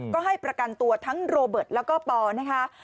ก็ให้ประกันตัวทั้งโรเบิร์ตแล้วก็ปอนะคะ